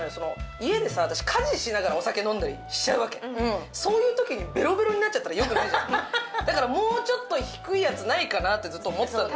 家でさ私家事しながらお酒飲んだりしちゃうわけそういうときにベロベロになっちゃったらよくないじゃんだからもうちょっと低いやつないかなってずっと思ってたのよ